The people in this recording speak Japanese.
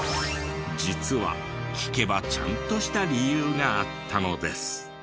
実は聞けばちゃんとした理由があったのです。